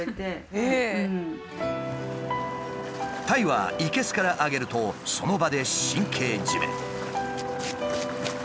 タイは生けすからあげるとその場で神経締め。